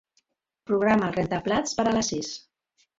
Programa el rentaplats per a les sis.